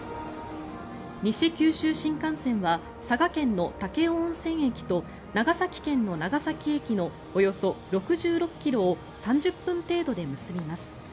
西九州新幹線は佐賀県の武雄温泉駅と長崎県の長崎駅のおよそ６６ｋｍを３０分程度で結びます。